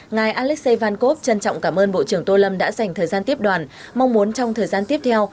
ngài alexei vankov trân trọng cảm ơn bộ trưởng tô lâm đã dành thời gian tiếp đoàn mong muốn trong thời gian tiếp theo